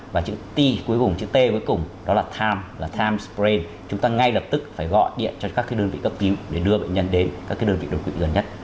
và chữ t cuối cùng chữ t cuối cùng đó là time là time sprain chúng ta ngay lập tức phải gọi điện cho các cái đơn vị cấp cứu để đưa bệnh nhân đến các cái đơn vị đột quỵ gần nhất